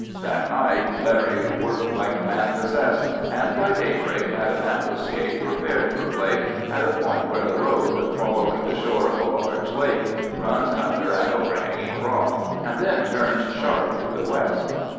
That night Larry worked like a man possessed, and by daybreak had an ambuscade prepared for Blake at a point where the road, following the shore of a large lake, runs under an overhanging rock, and then turns sharp to the west.